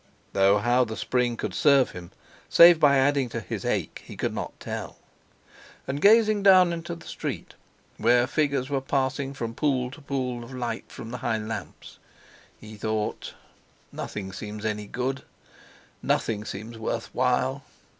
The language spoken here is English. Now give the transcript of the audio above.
Though how the spring could serve him, save by adding to his ache, he could not tell. And gazing down into the street, where figures were passing from pool to pool of the light from the high lamps, he thought: "Nothing seems any good—nothing seems worth while.